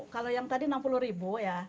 kalau yang tadi rp enam puluh ya